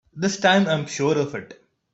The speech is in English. This time I'm sure of it!